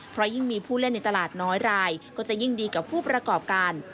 เพราะยิ่งมีผู้เล่นในตลาดน้อยรายก็จะยิ่งดีกับผู้ประกอบการ